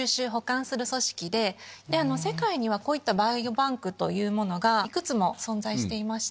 世界にはこういったバイオバンクがいくつも存在していまして。